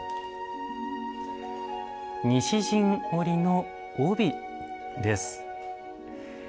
西陣織の帯です。